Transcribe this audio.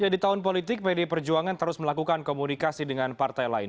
di tahun politik pdi perjuangan terus melakukan komunikasi dengan partai lain